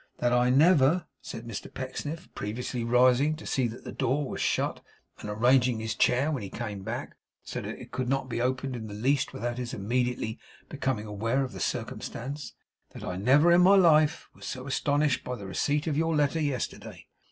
'That I never,' said Mr Pecksniff, previously rising to see that the door was shut, and arranging his chair when he came back, so that it could not be opened in the least without his immediately becoming aware of the circumstance; 'that I never in my life was so astonished as by the receipt of your letter yesterday.